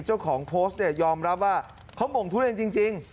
เจ้าของโพสต์เนี่ยยอมรับว่าเขาหม่งทุเรียนจริง